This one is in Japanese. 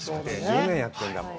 ８０年やってるんだもん。